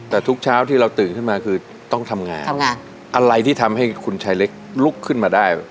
แต่ทุกเช้าที่เราตื่นขึ้นมาคือต้องทำงานทำงานอะไรที่ทำให้คุณชายเล็กลุกขึ้นมาได้